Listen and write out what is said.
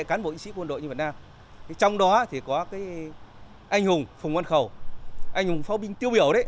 anh hùng pháo binh tiêu biểu đấy